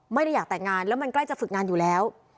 ไม่ได้อยากแต่งงานแล้วมันใกล้จะฝึกงานอยู่แล้ว